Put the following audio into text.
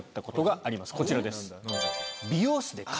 こちらです。